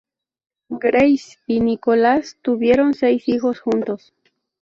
Grace y Nicholas tuvieron seis hijos juntos.